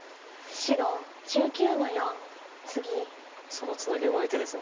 そのツナギうまい手です。